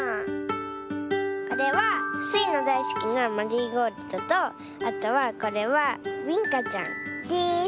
これはスイのだいすきなマリーゴールドとあとはこれはビンカちゃんです。